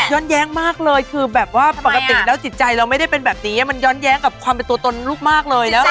แย้งมากเลยคือแบบว่าปกติแล้วจิตใจเราไม่ได้เป็นแบบนี้มันย้อนแย้งกับความเป็นตัวตนลูกมากเลย